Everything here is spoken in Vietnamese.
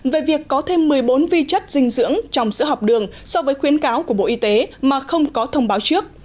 về việc có thêm một mươi bốn vi chất dinh dưỡng trong sữa học đường so với khuyến cáo của bộ y tế mà không có thông báo trước